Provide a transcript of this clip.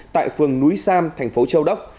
tại phường núi sam thành phố châu đốc